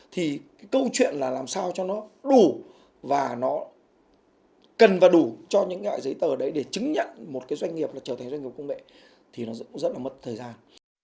thì cái câu chuyện là làm sao cho nó đủ và nó cần và đủ cho những cái giấy tờ đấy để chứng nhận một cái doanh nghiệp là trở thành doanh nghiệp công nghệ thì nó cũng rất là mất thời gian